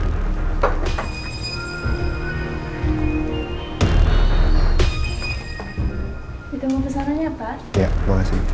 kita mau kesanannya pak